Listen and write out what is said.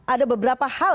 ada beberapa hal